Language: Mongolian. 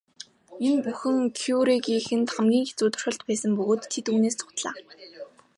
Энэ бүхэн Кюрегийнхэнд хамгийн хэцүү туршилт байсан бөгөөд тэд үүнээс зугтлаа.